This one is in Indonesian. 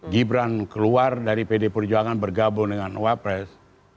gibran keluar dari pd perjuangan bergabung dengan wapres